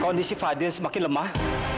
kondisi fadil semakkin lemah